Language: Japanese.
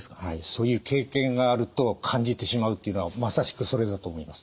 そういう経験があると感じてしまうっていうのはまさしくそれだと思います。